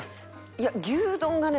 いや牛丼がね